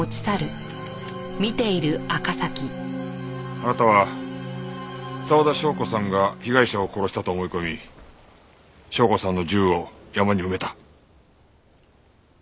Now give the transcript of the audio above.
あなたは沢田紹子さんが被害者を殺したと思い込み紹子さんの銃を山に埋めた。